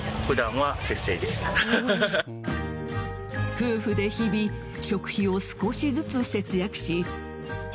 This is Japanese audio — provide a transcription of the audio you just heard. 夫婦で日々食費を少しずつ節約し茶